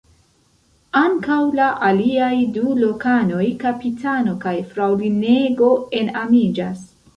Ankaŭ la aliaj du lokanoj (kapitano kaj fraŭlinego) enamiĝas.